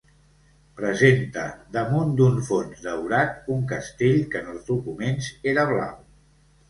Presenta, damunt d'un fons daurat, un castell que en els documents era blau.